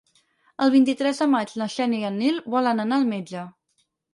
El vint-i-tres de maig na Xènia i en Nil volen anar al metge.